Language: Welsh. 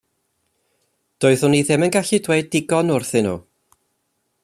Doeddwn i ddim yn gallu dweud digon wrthyn nhw.